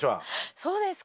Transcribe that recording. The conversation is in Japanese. そうですか。